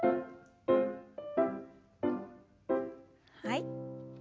はい。